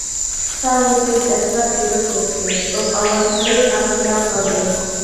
تاڭ ئېتىپ، ئەتراپ يورۇپ كەتتى، ئوق ئاۋازلىرى ئارقىدا قالدى.